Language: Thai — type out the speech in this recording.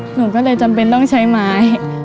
หนูก็เลยจำเป็นต้องใช้ไม้